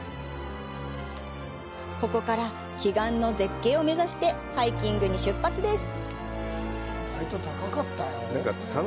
ここから、奇岩の絶景を目指してハイキングに出発です。